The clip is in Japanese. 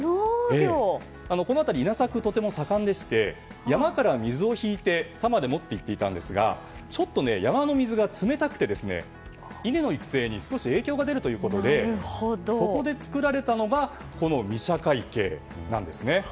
この辺り稲作がとても盛んでして山から水を引いて田まで持っていっていたんですがちょっと山の水が冷たくて稲の育成に少し影響が出るということでそこで作られたのがこの御射鹿池なんですね。